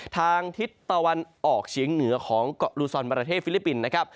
ทางทิศตะวันออกเฉียงเหนือของเกาะลูซอนประเทศฟิลิปปินส์นะครับ